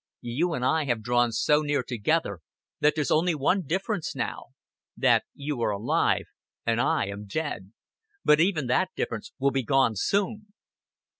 "You and I have drawn so near together that there's only one difference now that you are alive and I am dead. But even that difference will be gone soon."